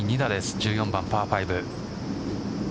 １４番パー５。